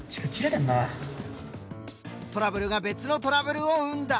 トラブルが別のトラブルを生んだ。